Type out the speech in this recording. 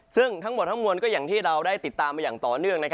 ซึ่งทั้งหมดทั้งมวลก็อย่างที่เราได้ติดตามมาอย่างต่อเนื่อง